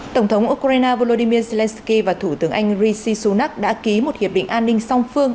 tổng thống ukraine volodymyr zelensky và thủ tướng anh rishi sunak đã ký một hiệp định an ninh song phương